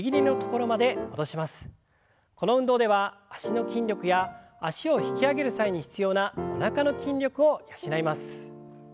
この運動では脚の筋力や脚を引き上げる際に必要なおなかの筋力を養います。